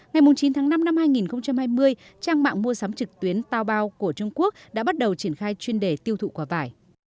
ngày chín tháng năm năm hai nghìn hai mươi trang mạng mua sắm trực tuyến tao bao của trung quốc đã bắt đầu triển khai chuyên đề tiêu thụ quả vải